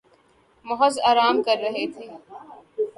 محض آرام کررہے تھے